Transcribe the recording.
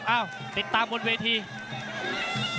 หรือว่าจะเดินเข้าไปหลงเหลี่ยม